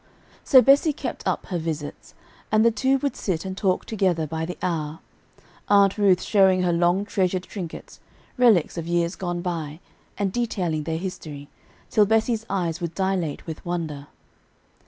So Bessie kept up her visits, and the two would sit and talk together by the hour, Aunt Ruth showing her long treasured trinkets, relics of years gone by, and detailing their history, till Bessie's eyes would dilate with wonder.